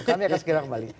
kami akan segera kembali